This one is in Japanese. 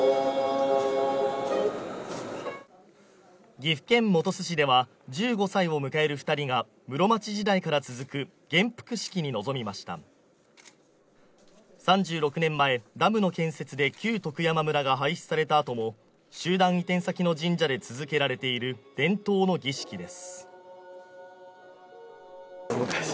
岐阜県本巣市では１５歳を迎える二人が室町時代から続く元服式に臨みました３６年前、ダムの建設で旧徳山村が廃止されたあとも集団移転先の神社で続けられている伝統の儀式です